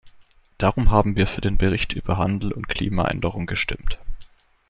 Darum haben wir für den Bericht über Handel und Klimaänderung gestimmt.